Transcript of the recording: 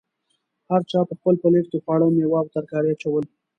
هر چا په خپل پلیټ کې خواړه، میوه او ترکاري اچول.